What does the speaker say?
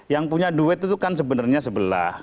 yang punya duit itu kan sebenarnya sebelah